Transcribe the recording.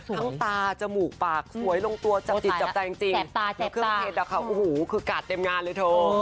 ทั้งตาจมูกปากสวยลงตัวจับจิตจับจ่ายจริงแล้วเครื่องเทศนะคะโอ้โหคือกาดเต็มงานเลยโท